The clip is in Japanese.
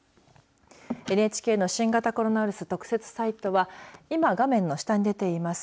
ＮＨＫの新型コロナウイルス特設サイトは今画面の下に出ています